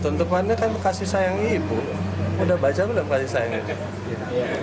untuk mana kan kasih sayang ibu udah baca belum kasih sayang ibu